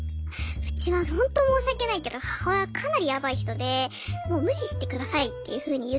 うちはほんと申し訳ないけど母親かなりヤバい人でもう無視してくださいっていうふうに言ってたんですよね。